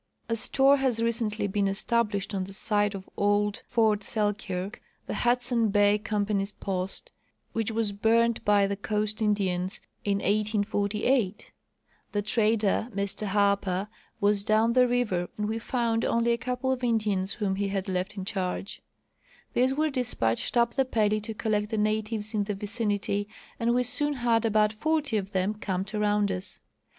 A store has recently been established on the site of old fort Selkirk, the Hudson Ba}^ companj^'s post, which was burned by 122 C. W. Hayes — Exiiedition tJirougli the Yukon District. the coast Indians in 1848. The trader, Mr Harper, was down the river and we found only a couple of Indians whom he had left in charge. These were dispatched up the Pelly to collect the natives in the vicinity and we soon had about forty of them camped around us.